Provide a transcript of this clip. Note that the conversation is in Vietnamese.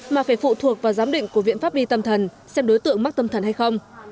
mà phải phụ thuộc vào giám định của viện pháp y tâm thần xem đối tượng mắc tâm thần hay không